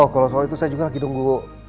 oh kalau soal itu saya juga lagi nunggu